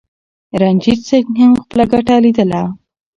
رنجیت سنګ هم خپله ګټه لیدله.